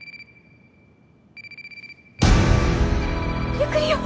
ゆっくりよ。